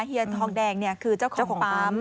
เฮียทองแดงคือเจ้าของปั๊ม